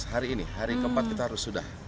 hari ini hari keempat kita harus sudah